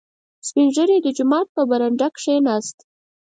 • سپین ږیری د جومات په برنډه کښېناست.